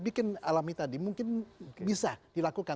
bikin alami tadi mungkin bisa dilakukan